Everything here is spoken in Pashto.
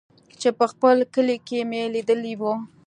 چې په خپل کلي کښې مې ليدلې وې.